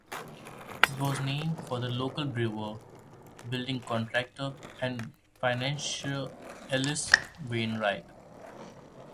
It was named for local brewer, building contractor, and financier Ellis Wainwright.